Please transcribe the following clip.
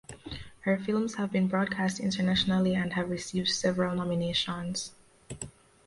Her films have been broadcast internationally and have received several nominations.